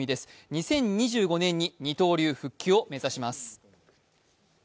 ２０２５年に二刀流復帰を目指します。